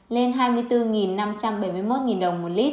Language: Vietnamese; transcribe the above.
lên hai mươi bốn năm trăm bảy mươi một đồng một lít